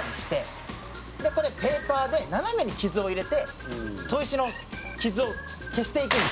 「これペーパーで斜めに傷を入れて砥石の傷を消していくんですよ」